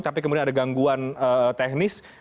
tapi kemudian ada gangguan teknis